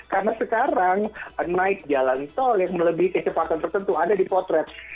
karena sekarang naik jalan tol yang melebihi kecepatan tertentu ada di potret